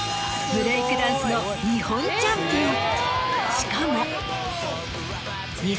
・しかも。